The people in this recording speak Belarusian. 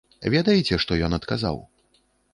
Ведаеце, што ён адказаў?